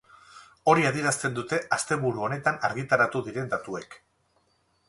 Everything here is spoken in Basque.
Hori adierazten dute asteburu honetan argitaratu diren datuek.